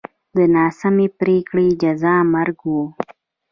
د ناسمې پرېکړې جزا مرګ و.